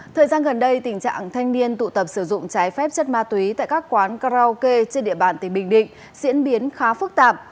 thời gian gần đây tình trạng thanh niên tụ tập sử dụng trái phép chất ma túy tại các quán karaoke trên địa bàn tỉnh bình định diễn biến khá phức tạp